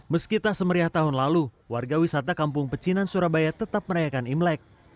meski tak semeriah tahun lalu warga wisata kampung pecinan surabaya tetap merayakan imlek